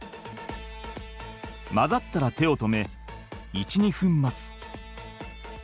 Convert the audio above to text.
混ざったら手を止め１２分待つ。